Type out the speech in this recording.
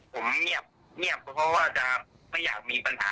ก็อยากให้ใจเย็นมากกว่านี้หน่อยค่ะ